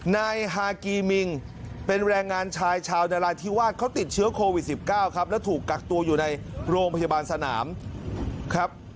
นายฮากีมิงเป็นแรงงานชายชาวนาราธิวาสเขาติดเชื้อโควิด๑๙ครับแล้วถูกกักตัวอยู่ในโรงพยาบาลสนามครับ